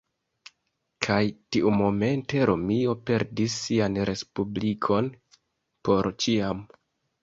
Kaj tiumomente Romio perdis sian Respublikon por ĉiam.